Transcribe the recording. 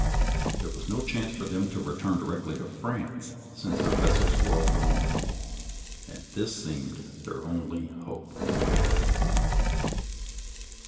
There was no chance for them to return directly to France since their vessels were all gone, and this seemed their only hope.